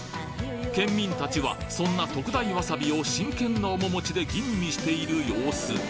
県民たちはそんな特大わさびを真剣な面持ちで吟味している様子